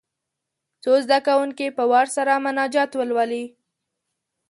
څو زده کوونکي په وار سره مناجات ولولي.